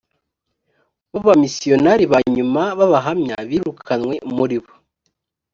bo bamisiyonari ba nyuma b abahamya birukanywe muri bo